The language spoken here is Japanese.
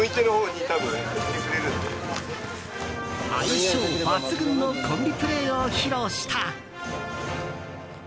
相性抜群のコンビプレーを披露した。